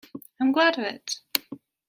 I'm glad of it!